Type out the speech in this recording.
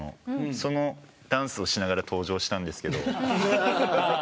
そのダンスをしながら登場したんですけど。